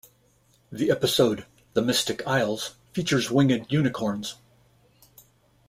The episode "The Mystic Isles" features winged unicorns.